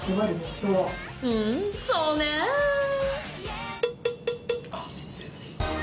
うんそうねぇ。